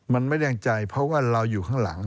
มันไม่ได้งใจเพราะว่าเราอยู่ข้างหลัง